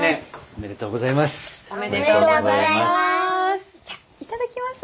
おめでとうございます。